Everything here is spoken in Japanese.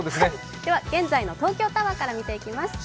現在の東京タワーから見ていきます。